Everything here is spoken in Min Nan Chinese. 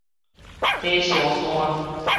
火燒山